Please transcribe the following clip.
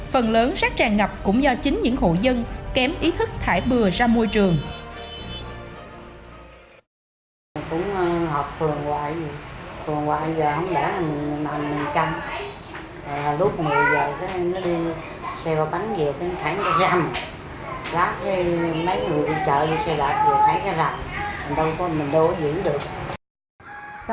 phần lớn rác tràn ngập cũng do chính những hộ dân kém ý thức thải bừa ra môi trường